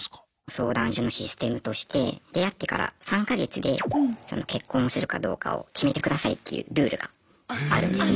相談所のシステムとして出会ってから３か月で結婚するかどうかを決めてくださいっていうルールがあるんですね。